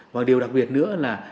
và điều đặc biệt nữa là